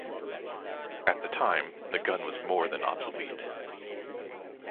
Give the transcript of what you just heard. At the time the gun was more than obsolete.